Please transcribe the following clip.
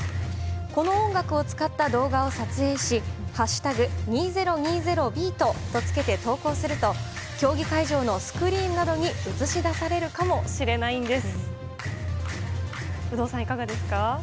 この音楽を使った動画を撮影し「＃２０２０ｂｅａｔ」とつけて投稿すると競技会場のスクリーンなどに映し出されるかもしれないんです。